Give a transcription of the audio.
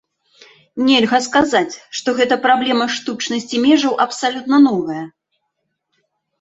Нельга сказаць, што гэта праблема штучнасці межаў абсалютна новая.